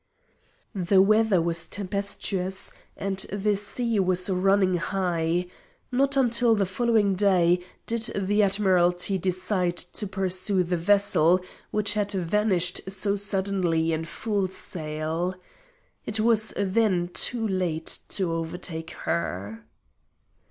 The weather was tempestuous and the sea was running high. Not until the following day did the Admiralty decide to pursue the vessel which had vanished so suddenly in full sail. It was then too late to overtake her.